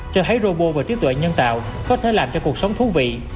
cho thấy robot và trí tuệ nhân tạo có thể làm cho cuộc sống thú vị